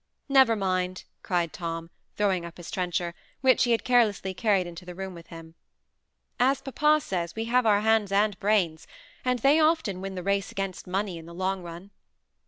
"Never mind!" cried Tom, throwing up his trencher, which he had carelessly carried into the room with him. "As papa says, we have our hands and brains: and they often win the race against money in the long run."